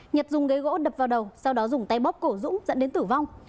nhật dùng ghế gỗ đập vào đầu sau đó dùng tay bóp cổ dũng dẫn đến tử vong